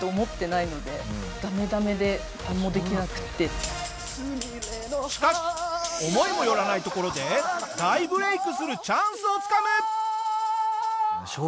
大前提全然しかし思いもよらないところで大ブレイクするチャンスをつかむ！